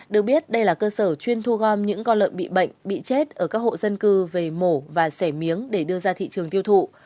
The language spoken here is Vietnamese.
được biết đây là cơ sở chuyên thu gom những con lợn bị bệnh bị chết ở các hộ dân cư về mổ và xẻ miếng để đưa ra thị trường tiêu thụ